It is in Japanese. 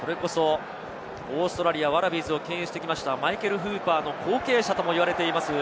オーストラリア・ワラビーズをけん引してきました、マイケル・フーパーの後継者とも言われています。